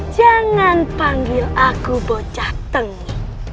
jangan panggil aku bocah tengah